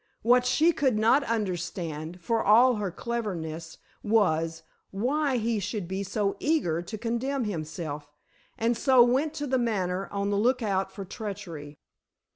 What she could not understand, for all her cleverness, was, why he should be so eager to condemn himself, and so went to The Manor on the lookout for treachery.